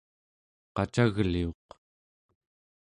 qacagliuq